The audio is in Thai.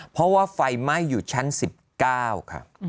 เพราะว่าไฟไหม้อยู่ชั้น๑๙ค่ะ